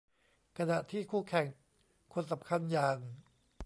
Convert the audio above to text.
ขณะที่คู่แข่งคนสำคัญอย่าง